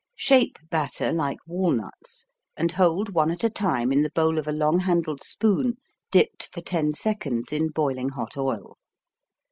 Shape batter like walnuts and hold one at a time in the bowl of a long handled spoon dipped for 10 seconds in boiling hot oil.